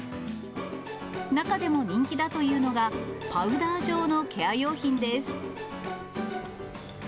中でも人気だというのが、パウダー状のケア用品です。